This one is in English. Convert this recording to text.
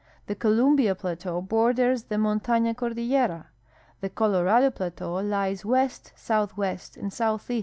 The Co lumbia plateau borders the Montana cordillera. The Colorado plateau lies w'est, southw'est, and southea.